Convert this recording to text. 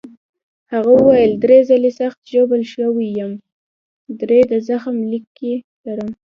هغه وویل: درې ځلي سخت ژوبل شوی یم، درې د زخم لیکې لرم.